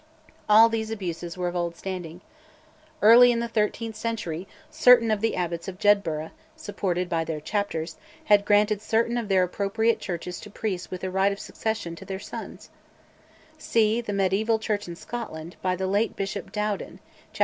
All these abuses were of old standing. "Early in the thirteenth century certain of the abbots of Jedburgh, supported by their chapters, had granted certain of their appropriate churches to priests with a right of succession to their sons" (see 'The Mediaeval Church in Scotland,' by the late Bishop Dowden, chap.